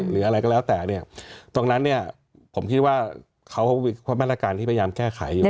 หรืออะไรก็แล้วแต่เนี่ยยังตรงนั้นเนี่ยผมคิดว่าเขาต้องเป็นมันตรการที่จะอยู่